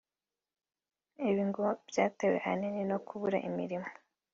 Ibi ngo byatewe ahanini no kubura imirimo